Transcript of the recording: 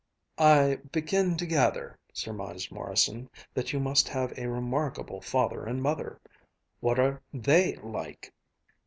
"I begin to gather," surmised Morrison, "that you must have a remarkable father and mother. What are they like?"